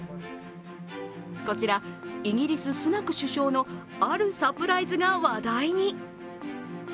こちら、イギリス・スナク首相のあるサプライズが話題に。